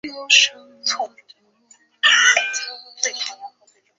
你首先成功粉碎了周政变的阴谋。